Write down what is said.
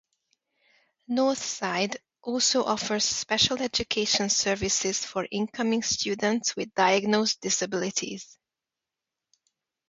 Northside also offers special education services for incoming students with diagnosed disabilities.